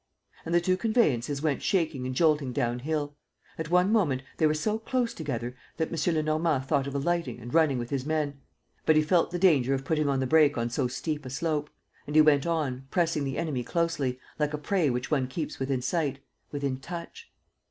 And the two conveyances went shaking and jolting down hill. At one moment, they were so close together that M. Lenormand thought of alighting and running with his men. But he felt the danger of putting on the brake on so steep a slope; and he went on, pressing the enemy closely, like a prey which one keeps within sight, within touch.